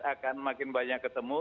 akan makin banyak ketemu